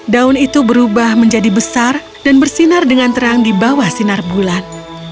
daun itu berubah menjadi besar dan bersinar dengan terang di bawah sinar bulan